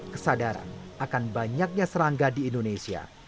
kesadaran akan banyaknya serangga di indonesia